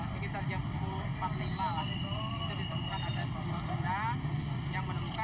sekitar jam sepuluh empat puluh lima itu ditemukan ada sebuah benda